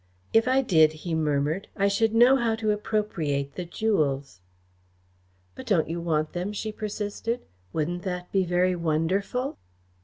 "If I did," he murmured, "I should know how to appropriate the jewels." "But don't you want them?" she persisted. "Wouldn't that be very wonderful?"